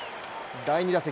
第２打席。